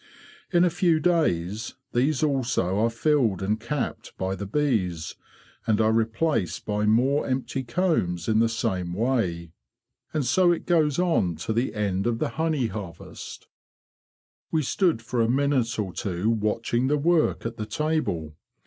In a few days these also are filled and capped by the bees, and are replaced by more empty combs in the same way; and so it goes on to the end of the honey harvest." We stood for a minute or two watching the work at the table.